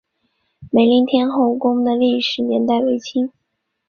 梅林天后宫的历史年代为清。